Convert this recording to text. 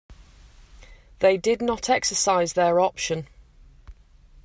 They did not exercise their option.